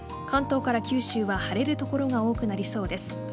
関東から九州は晴れる所が多くなりそうです。